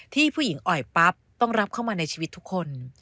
ที่ผู้หญิงอ่อยปั๊บต้องรับเข้ามาในชีวิตทุกคน